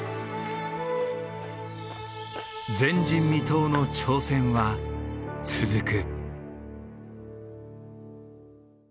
前人未到の挑戦は続く。